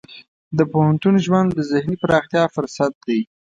د پوهنتون ژوند د ذهني پراختیا فرصت دی.